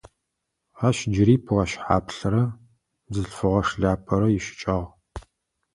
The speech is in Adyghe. Ащ джыри плащ хьаплърэ бзылъфыгъэ шляпэрэ ищыкӏагъ.